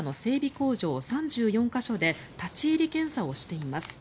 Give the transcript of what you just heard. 工場３４か所で立ち入り検査をしています。